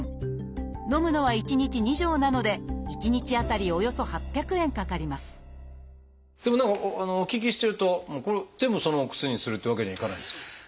のむのは１日２錠なので１日当たりおよそ８００円かかりますでも何かお聞きしてると全部そのお薬にするってわけにはいかないんですか？